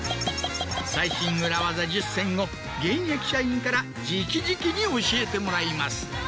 最新裏ワザ１０選を現役社員から直々に教えてもらいます。